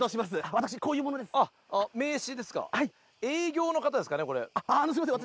私こういう者ですあっ名刺ですか営業の方ですかねこれすいません